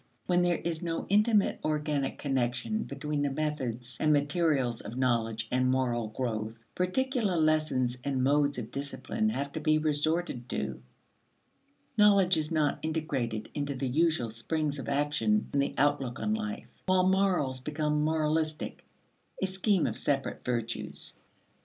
When there is no intimate organic connection between the methods and materials of knowledge and moral growth, particular lessons and modes of discipline have to be resorted to: knowledge is not integrated into the usual springs of action and the outlook on life, while morals become moralistic a scheme of separate virtues.